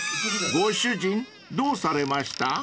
［ご主人どうされました？］